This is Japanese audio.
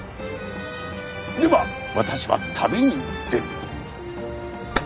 では私は旅に出る。